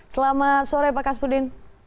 selamat sore pak kas pudin